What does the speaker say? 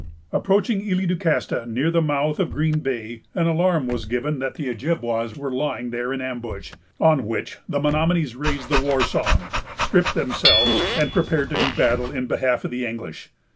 Approaching Isle du Castor, near the mouth of Green Bay, an alarm was given that the Ojibwas were lying there in ambush; on which the Menomonies raised the war song, stripped themselves, and prepared to do battle in behalf of the English.